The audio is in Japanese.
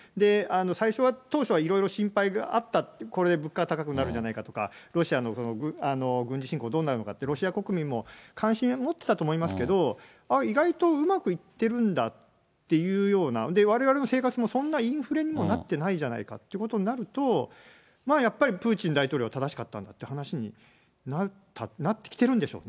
最初は、当初は、いろいろ心配があった、これ、物価が高くなるんじゃないかとか、ロシアの軍事侵攻、どうなるのかって、ロシア国民も関心を持ってたと思いますけども、ああ、意外とうまくいってるんだっていうような、われわれの生活もそんなインフレにもなってないじゃないかということになると、まあやっぱり、プーチン大統領は正しかったんだって話になってきてるんでしょう